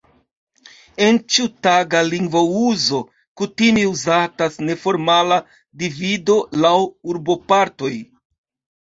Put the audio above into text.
En ĉiutaga lingvouzo kutime uzatas neformala divido laŭ urbopartoj.